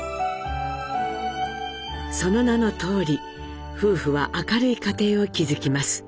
その名のとおり夫婦は明るい家庭を築きます。